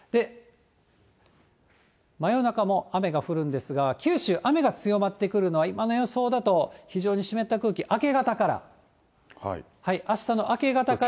真夜中も雨が降るんですが、九州、雨が強まってくるのは、今の予想だと非常に湿った空気、明け方から、あしたの明け方から。